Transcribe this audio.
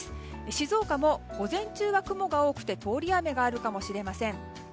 静岡も午前中は雲が多くて通り雨があるかもしれません。